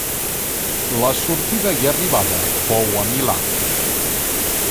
La sortida i arribada fou a Milà.